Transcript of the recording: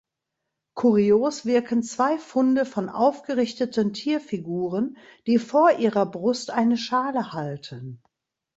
Kurios wirken zwei Funde von aufgerichteten Tierfiguren, die vor ihrer Brust eine Schale halten.